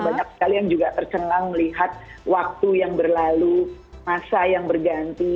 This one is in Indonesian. banyak sekali yang juga tercengang melihat waktu yang berlalu masa yang berganti